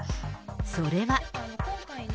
それは。